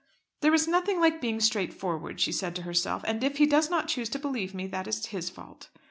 "There is nothing like being straightforward," she said to herself, "and if he does not choose to believe me, that is his fault."